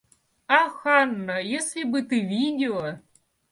Ах, Анна, если бы ты видела!